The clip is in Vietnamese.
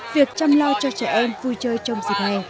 việc chăm lo cho trẻ em vui chơi trong dịp này